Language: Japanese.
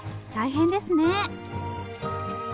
大変ですね。